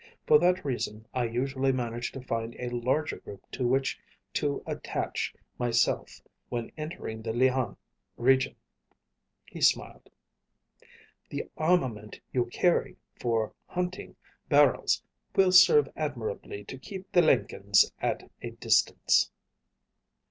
For that reason, I usually manage to find a larger group to which to attach myself when entering the Llhan region." He smiled. "The armament you carry for hunting bharals will serve admirably to keep the Lenkens at a distance."